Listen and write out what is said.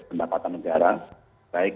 pendapatan negara baik